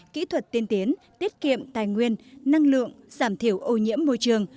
kỹ thuật tiên tiến tiết kiệm tài nguyên năng lượng giảm thiểu ô nhiễm môi trường